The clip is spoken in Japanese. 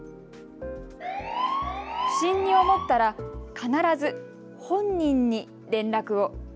不審に思ったら必ず本人に連絡を。